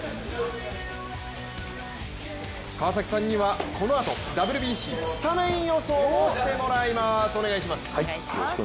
川崎さんにはこのあとＷＢＣスタメン予想をしてもらいます。